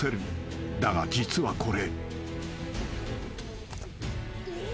［だが実はこれ］